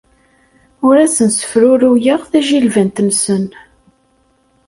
Ur asen-ssefruruyeɣ tajilbant-nsen.